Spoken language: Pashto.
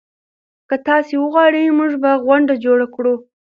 که تاسي وغواړئ موږ به غونډه جوړه کړو.